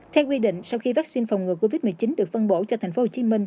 theo quy định sau khi vaccine phòng ngừa covid một mươi chín được phân bổ cho tp hcm